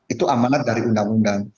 itu amanat dari undang undang